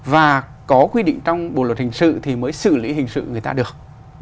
và có quy định trong bộ luật hình sự thì mới xử lý hình sự người ta được